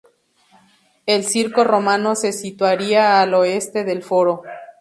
El circo romano se situaría al oeste del foro.